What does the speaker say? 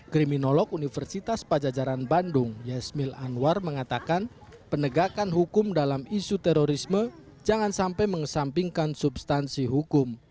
kriminolog universitas pajajaran bandung yesmil anwar mengatakan penegakan hukum dalam isu terorisme jangan sampai mengesampingkan substansi hukum